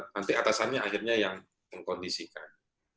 nanti atasannya akhirnya yang mengkondisikan